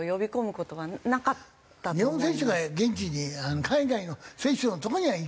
日本選手が現地に海外の選手のとこには行くんだ？